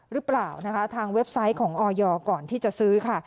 หรือเปล่านะคะทางเว็บไซต์ของออยก่อนที่จะซื้อค่ะ